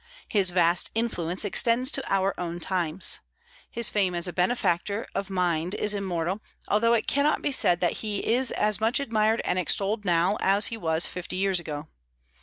His vast influence extends to our own times. His fame as a benefactor of mind is immortal, although it cannot be said that he is as much admired and extolled now as he was fifty years ago.